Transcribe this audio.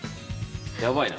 やばいな。